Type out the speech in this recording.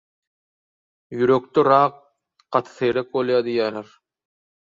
Ýürekde rak gaty seýrek bolýar diýýärler.